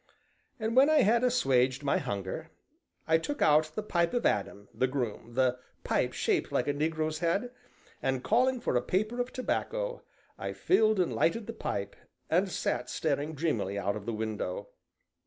And when I had assuaged my hunger, I took out the pipe of Adam, the groom, the pipe shaped like a negro's head, and, calling for a paper of tobacco, I filled and lighted the pipe, and sat staring dreamily out of the window.